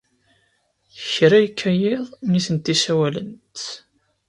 Kra yekka yiḍ, nitenti ssawalent.